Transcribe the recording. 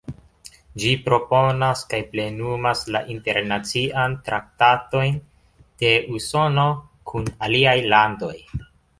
Ĝi proponas kaj plenumas la internacian traktatojn de Usono kun aliaj landoj.